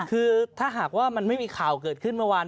คือถ้าหากว่ามันไม่มีข่าวเกิดขึ้นเมื่อวาน